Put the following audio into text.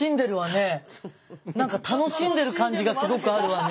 なんか楽しんでる感じがすごくあるわね。